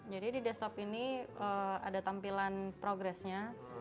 jadi di desktop ini ada tampilan progress nya